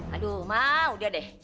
aduh ma udah deh